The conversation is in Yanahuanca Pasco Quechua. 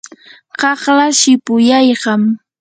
qaqlaa shipuyaykam.